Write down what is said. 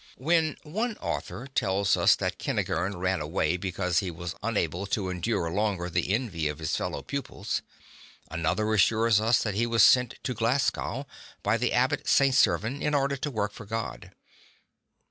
While one author tells us that Kentigern ran away because he was unable to endure longer the envy of his fellow pupils, another assures us that he was sent to Glasgow by the Abbot St. Servan, in order to work for God.